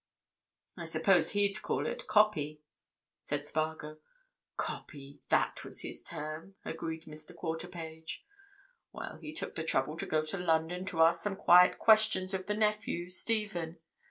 "I suppose he'd call it 'copy,'" said Spargo. "'Copy'—that was his term," agreed Mr. Quarterpage. "Well, he took the trouble to go to London to ask some quiet questions of the nephew, Stephen.